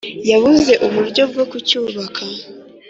yabuze uburyo bwo kucyubaka